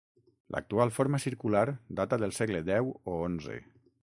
L'actual forma circular data del segle deu o onze.